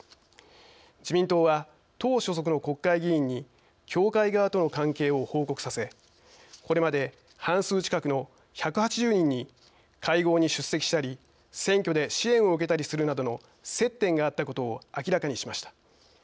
自民党は党所属の国会議員に教会側との関係を報告させこれまで半数近くの１８０人に会合に出席したり選挙で支援を受けたりするなどの接点があったことを明らかにしました。